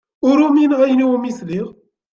Ur umineɣ ayen iwumi sliɣ.